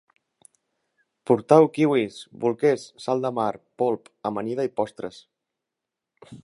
Portau kiwis, bolquers, sal de mar, polp, amanida i postres